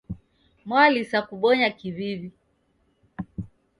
Mwalisa kubonya kiw'iw'i.